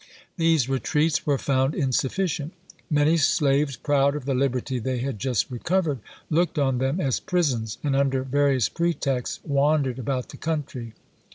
These retreats were found insufficient. Many slaves, proud of the liberty they had just recovered, looked on them as prisons; and, under various pretexts, wandered about the country.